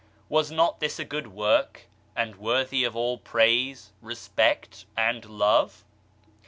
Was not this a good work, and worthy of all praise, respect and love